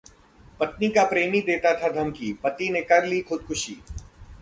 पत्नी का प्रेमी देता था धमकी, पति ने कर ली खुदकुशी